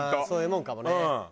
そういうものかもね。